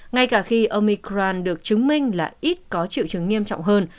ngay cả khi omicron được chứng minh là ít có triệu chứng nghiêm trọng hơn